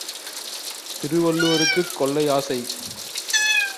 திருவள்ளுவருக்குக் கொள்ளை ஆசை!